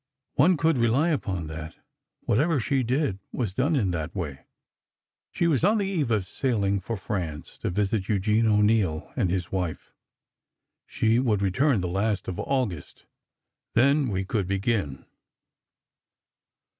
One could rely upon that. Whatever she did was done in that way. She was on the eve of sailing for France, to visit Eugene O'Neill and his wife. She would return the last of August; then we could begin.